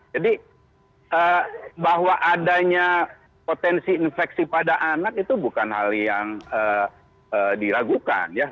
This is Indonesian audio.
jadi bahwa adanya potensi infeksi pada anak itu bukan hal yang diragukan